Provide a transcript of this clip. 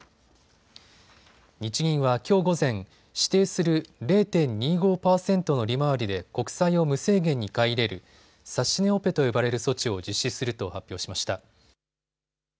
日銀はきょう午前、指定する０．２５％の利回りで国債を無制限に買い入れる指値オペと呼ばれる措置を実施すると発表しました。